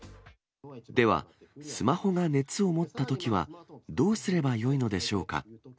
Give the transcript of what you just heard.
では、スマホが熱を持ったときはどうすればよいのでしょうか。